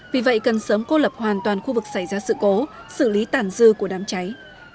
vì vậy cần sớm cô lập hoàn toàn khu vực xảy ra sự cố xử lý tàn dư của đám cháy